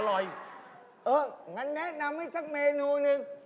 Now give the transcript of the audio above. เอองั้นแนะนำให้สักเมนูหนึ่ง